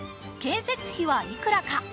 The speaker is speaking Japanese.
建設費はいくらか？